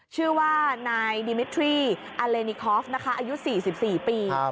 ชื่อว่านายดิมิทรี่อาเลนิคอฟนะคะอายุ๔๔ปี